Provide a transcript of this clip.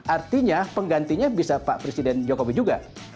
artinya penggantinya bisa pak presiden jokowi juga